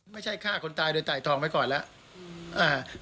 ไม่ใช่ฆ่าคนตายโดยไต่ทองไปก่อนแล้ว